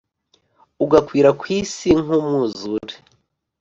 ugakwira ku isi nk’umwuzure,